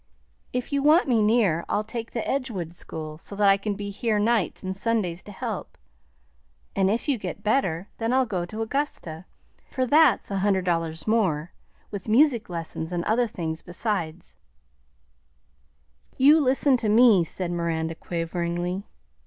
If you want me near, I'll take the Edgewood school, so that I can be here nights and Sundays to help; and if you get better, then I'll go to Augusta, for that's a hundred dollars more, with music lessons and other things beside." "You listen to me," said Miranda quaveringly.